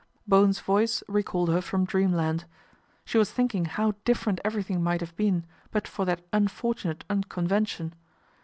Bowen's voice recalled her from dreamland She was thinking how different everything might have been, but for that unfortunate unconvention.